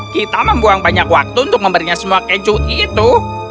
kita membuang banyak waktu untuk memberinya semua keju itu